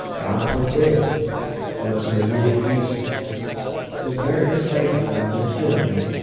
"God forbid!" was her immediate answer, "the very sight of them would kill me."